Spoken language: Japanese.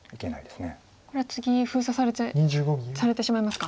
これは次封鎖されてしまいますか。